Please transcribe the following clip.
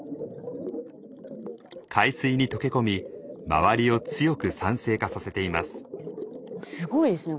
海水に溶け込み周りを強く酸性化させています。